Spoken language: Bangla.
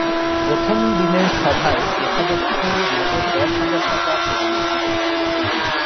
প্রথম দিনের সভায় কোষাধ্যক্ষ নগদ দশ হাজার টাকা প্রদান করেন।